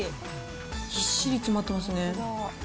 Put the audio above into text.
ぎっしり詰まってますね。